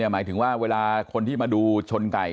หมายถึงว่าเวลาคนที่มาดูชนไก่